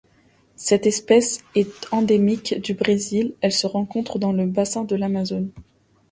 Cette espèce est endémique du Brésil, elle se rencontre dans le bassin de l'Amazone.